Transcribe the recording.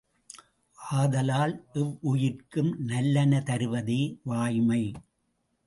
ஆதலால் எவ்வுயிர்க்கும் நல்லன தருவதே வாய்மை.